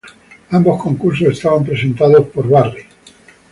Ambos concursos estaban presentados por Barry.